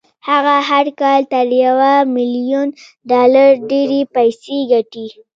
هغه هر کال تر يوه ميليون ډالر ډېرې پيسې ګټي.